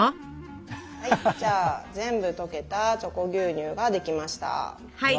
はい全部とけた「チョコ牛乳」ができました。